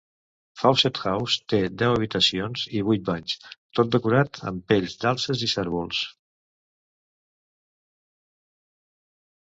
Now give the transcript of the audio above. Fawcett House té deu habitacions i vuit banys, tot decorat amb pells d'alces i cérvols.